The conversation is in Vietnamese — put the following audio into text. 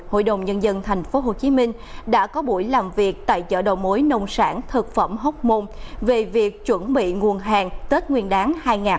hội đồng nhân dân thành phố hồ chí minh đã có buổi làm việc tại chợ đầu mối nông sản thực phẩm hốc môn về việc chuẩn bị nguồn hàng tết nguyên đáng hai nghìn hai mươi bốn